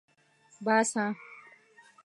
باسه